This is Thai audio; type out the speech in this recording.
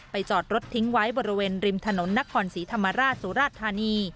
จอดรถทิ้งไว้บริเวณริมถนนนครศรีธรรมราชสุราชธานี